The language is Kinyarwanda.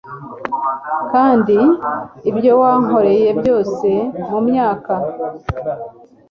kandi ibyo wankoreye byose mumyaka